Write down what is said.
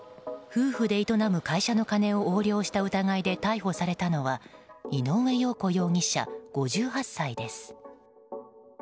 夫婦で営む会社の金を横領した疑いで逮捕されたのは井上洋子容疑者、５８歳です。